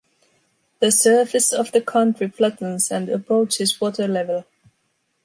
The surface of the country flattens, and approaches water level.